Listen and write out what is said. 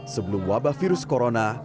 sebelum wabah virus corona